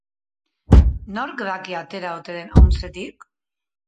Nork daki atera ote den Omsketik?